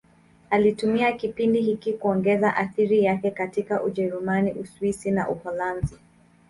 Alitumia kipindi hiki kuongeza athira yake katika Ujerumani, Uswisi na Uholanzi.